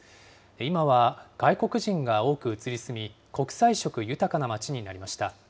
今は外国人が多く移り住み、国際色豊かな街になりました。